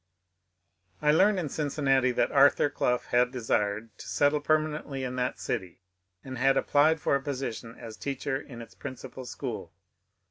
I learned in Cincinnati that Arthur Clough had desired to settle permanently in that city, and had applied for a position as teacher in its principal school.